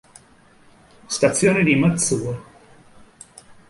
Stazione di Matsuo